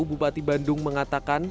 bupati bandung mengatakan